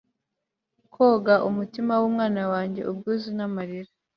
koga umutima wumwana wanjye ubwuzu n'amarira